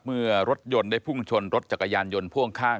เมื่อรถยนต์ได้พุ่งชนรถจักรยานยนต์พ่วงข้าง